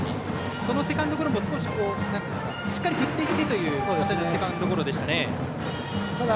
そのセカンドゴロもしっかり振っていってというセカンドゴロでしたね。